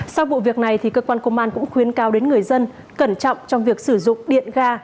sau vụ việc này cơ quan công an cũng khuyến cao đến người dân cẩn trọng trong việc sử dụng điện ga